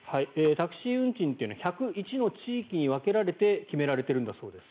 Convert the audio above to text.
タクシー運賃というのは１０１の地域に分けられて決められているんだそうです。